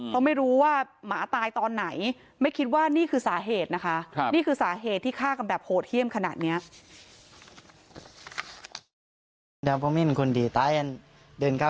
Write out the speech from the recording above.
เค้าเป็นคนนิ่งดูมากว่าใครยิงมาก